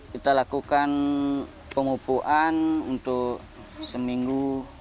kita lakukan pemupuan untuk seminggu